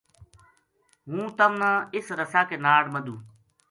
ہوں تمنا اس رسا کے ناڑ مدھوں